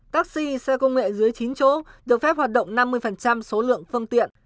taxi xe công nghệ dưới chín chỗ được phép hoạt động năm mươi số lượng phương tiện